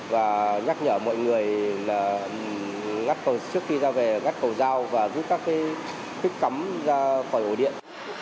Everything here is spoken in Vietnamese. và nhắc nhở mọi người trước khi ra về ngắt cầu giao và giúp các thích cấm ra khỏi ổ điện